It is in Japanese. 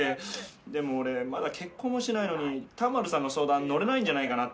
でも俺まだ結婚もしてないのに田丸さんの相談のれないんじゃないかなって。